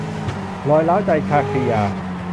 รอยร้าวใจ - ชาครียา